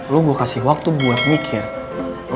lo gue kasih waktu buat mikir